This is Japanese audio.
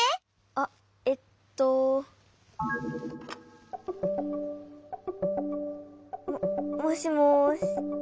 あっえっと。ももしもし。